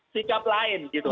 sikap lain gitu